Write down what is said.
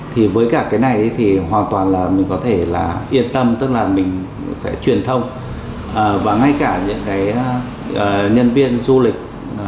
thì với cả cái này thì hoàn toàn là mình có thể là yên tâm tức là mình sẽ truyền thông và ngay cả những cái nhân viên du lịch